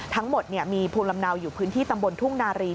ทั้งหมดมีภูมิลำเนาอยู่พื้นที่ตำบลทุ่งนารี